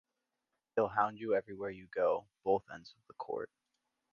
He'll hound you everywhere you go, both ends of the court.